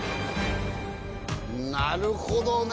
なるほどね！